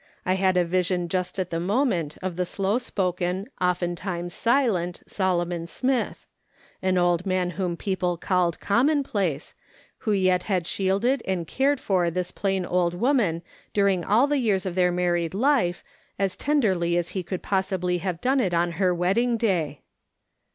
I had a vision just at the moment of the slow spoken, often times silent, Solomon Smith ; an old man whom people called commonplace, who yet had shielded 94 VI/A*5. SOLOMOP SMITH LOOKING ON. and cared for this plain old woman diirinf^ all the years of their married life, as tenderly as he could possibly have done it on her wedding day.